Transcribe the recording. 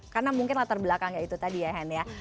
karena mungkin latar belakang ya itu tadi ya hen ya